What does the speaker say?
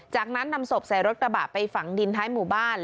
จากนั้นนำศพใส่รถกระบะไปฝังดินท้ายหมู่บ้าน